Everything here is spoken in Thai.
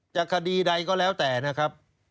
คดีใดก็แล้วแต่นะครับ